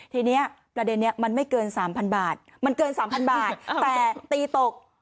ทีนี้ประเด็นนี้มันไม่เกิน๓๐๐บาทมันเกิน๓๐๐บาทแต่ตีตก